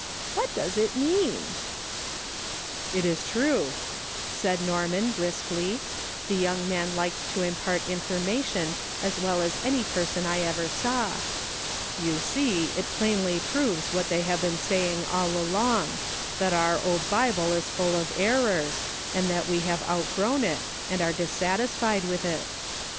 What does that mean ?"" It is true," said Norman briskly — the young man liked to impart information as well as any person I ever saw —" you see it plainly proves what they have been saying all along, that our old Bible is full of errors, and that we have outgrown it, and are dis satisfied with it.